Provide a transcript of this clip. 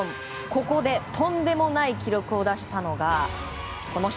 ここで、とんでもない記録を出したのがこの人